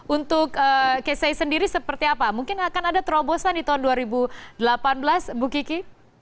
untuk kci sendiri seperti apa mungkin akan ada terobosan di tahun dua ribu delapan belas bu kiki